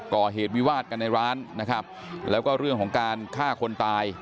ก่อเหตุวิวาดกันในร้านนะครับแล้วก็เรื่องของการฆ่าคนตาย